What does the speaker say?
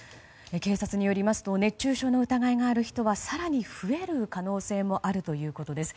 警察によりますと熱中症の疑いがある人は更に増える可能性もあるということです。